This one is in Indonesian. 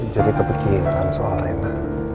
jadi kepikiran soal reina